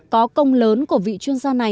có công lớn của vị chuyên gia này